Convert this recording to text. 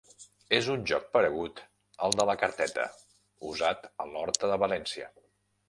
És un joc paregut al de la carteta, usat a l’horta de València.